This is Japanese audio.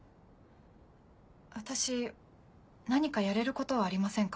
私何かやれることはありませんか？